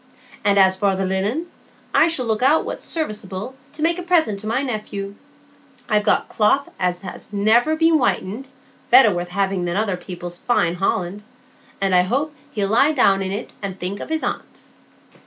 And as for the linen, I shall look out what's serviceable, to make a present of to my nephey; I've got cloth as has never been whitened, better worth having than other people's fine holland; and I hope he'll lie down in it and think of his aunt."